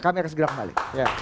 kami akan segera kembali